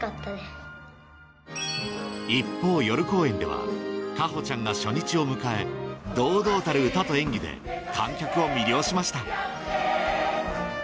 一方花帆ちゃんが初日を迎え堂々たる歌と演技で観客を魅了しました